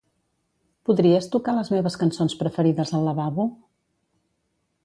Podries tocar les meves cançons preferides al lavabo?